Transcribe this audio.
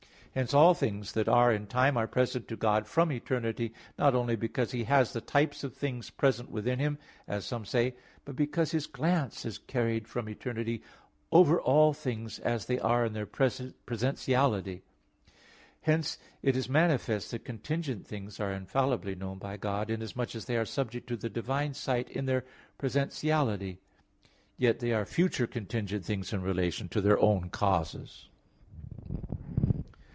2). Hence all things that are in time are present to God from eternity, not only because He has the types of things present within Him, as some say; but because His glance is carried from eternity over all things as they are in their presentiality. Hence it is manifest that contingent things are infallibly known by God, inasmuch as they are subject to the divine sight in their presentiality; yet they are future contingent things in relation to their own causes.